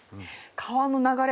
川の流れ